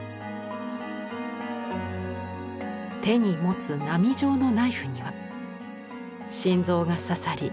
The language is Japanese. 手に持つ波状のナイフには心臓が刺さり